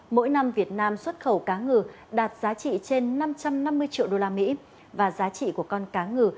mỗi năm việt nam xuất khẩu cá ngừ đạt giá trị trên năm trăm năm mươi triệu usd và giá trị của con cá ngừ